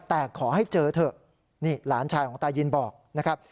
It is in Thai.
แต่ขอให้เจอเถอะนี่หลานชายของตายินบอกนะครับ